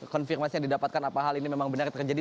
konfirmasi yang didapatkan apa hal ini memang benar terjadi